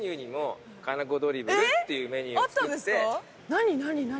何何何？